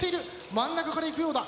真ん中から行くようだ。